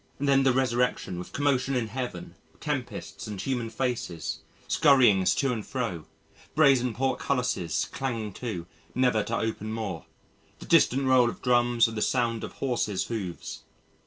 Then the resurrection with commotion in Heaven: tempests and human faces, scurryings to and fro, brazen portcullises clanging to, never to open more, the distant roll of drums and the sound of horses' hoofs.